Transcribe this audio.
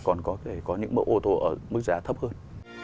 còn có thể có những mẫu ô tô ở mức giá thấp hơn